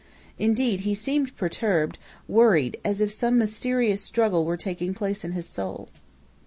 Indeed, he seemed perturbed, worried, as if some mysterious struggle were taking place in his soul.